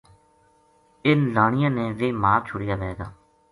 اِنھ لانیاں نے ویہ مار چھُڑیا وھے گا